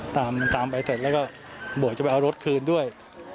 ตามตามไปเสร็จแล้วก็บอกจะไปเอารถคืนด้วย